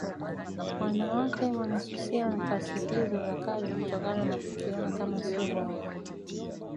Wanawake wanasusia nafasi hizo za kazi kutokana na kujiona kama sio bora